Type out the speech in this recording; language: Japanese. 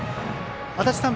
足達さん